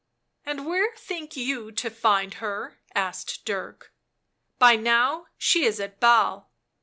" And where think you to find her?" asked Dirk. " By now she is at Basle."